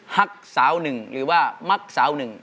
ฮักสาวหนึ่งหรือว่ามักสาวหนึ่ง